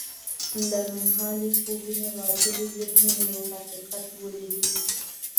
له نومهالې پوهې غافلو ذهنونو یو حقیقت ولید.